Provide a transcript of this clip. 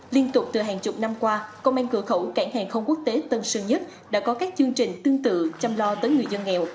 liên tục từ hàng chục năm qua công an cửa khẩu cảng hàng không quốc tế tân sơn nhất đã có các chương trình tương tự chăm lo tới người dân nghèo